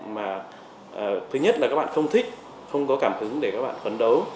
mà thứ nhất là các bạn không thích không có cảm hứng để các bạn phấn đấu